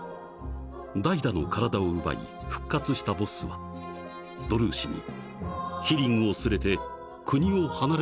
［ダイダの体を奪い復活したボッスはドルーシにヒリングを連れて国を離れるように命じた］